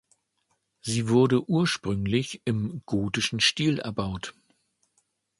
Sie wurde ursprünglich im gotischen Stil erbaut.